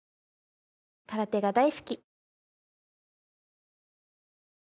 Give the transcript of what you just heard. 「空手が大好き」